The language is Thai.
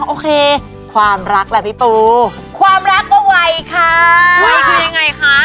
โอเคความรักแหละพี่ปูความรักก็ไวค่ะไวคือยังไงคะ